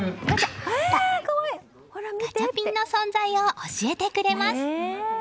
ガチャピンの存在を教えてくれます。